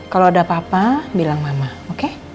kalau ada papa bilang mama oke